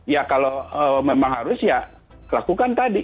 ya kalau memang harus ya lakukan tadi